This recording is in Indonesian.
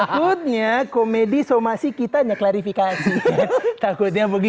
takutnya komedi somasi kita ngeklarifikasi takutnya begitu